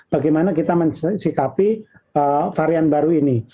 bagaimana kita mensikapi varian baru ini